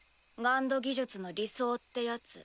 ＧＵＮＤ技術の理想ってやつ。